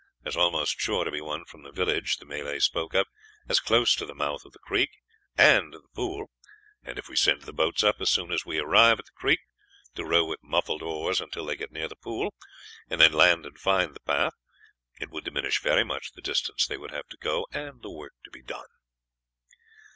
There is almost sure to be one from the village the Malay spoke of as close to the mouth of the creek, and the pool, and if we send the boats up as soon as we arrive at the creek, to row with muffled oars until they get near the pool, and then land and find the path, it would diminish very much the distance they would have to go and the work to be done."